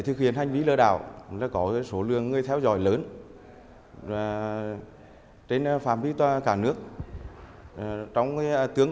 thực hiện hành vi lừa đảo nó có số lượng người theo dõi lớn và trên phạm vi toàn cả nước trong tướng